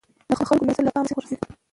د خلکو نظر له پامه نه شي غورځېدلای